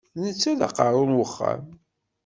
D netta i d aqerru n uxxam.